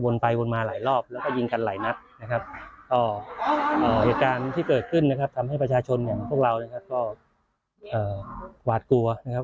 ไปวนมาหลายรอบแล้วก็ยิงกันหลายนัดนะครับก็เหตุการณ์ที่เกิดขึ้นนะครับทำให้ประชาชนอย่างพวกเรานะครับก็หวาดกลัวนะครับ